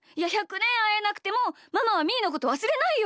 あえなくてもママはみーのことわすれないよ。